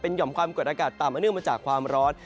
เป็นย่อมความเกิดอากาศต่ำมาเนื่องมาจากความร้อน